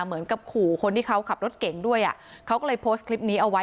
เหมือนกับขู่คนที่เขาขับรถเก่งด้วยอ่ะเขาก็เลยโพสต์คลิปนี้เอาไว้